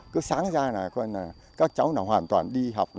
cứ sáng ra là coi là các cháu là hoàn toàn đi học